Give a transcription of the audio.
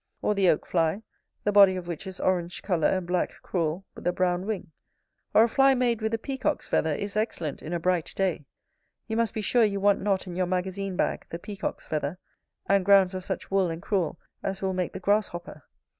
Or the oak fly, the body of which is orange colour and black crewel, with a brown wing. Or a fly made with a peacock's feather is excellent in a bright day: you must be sure you want not in your magazine bag the peacock's feather; and grounds of such wool and crewel as will make the grasshopper.